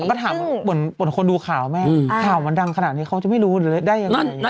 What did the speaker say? ก็ถามเหมือนคนดูข่าวแม่ข่าวมันดังขนาดนี้เขาจะไม่รู้ได้ยังไง